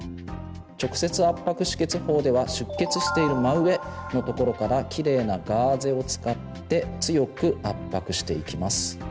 法では出血している真上のところからキレイなガーゼを使って強く圧迫していきます。